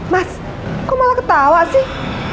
mas kok malah ketawa sih